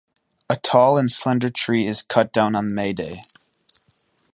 A tall and slender tree is cut down on May Day.